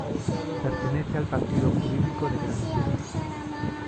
Pertenece al partido jurídico de Granollers.